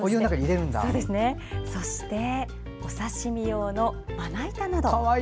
そして、お刺身用のまな板など。